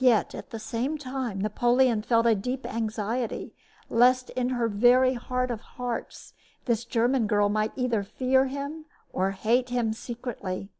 Yet, at the same time, Napoleon felt a deep anxiety lest in her very heart of hearts this German girl might either fear or hate him secretly.